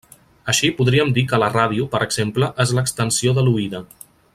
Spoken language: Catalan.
Així podríem dir que la ràdio, per exemple, és l'extensió de l'oïda.